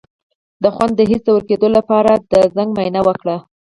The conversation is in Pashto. د خوند د حس د ورکیدو لپاره د زنک معاینه وکړئ